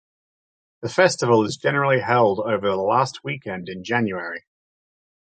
The festival is generally held over the last weekend in January.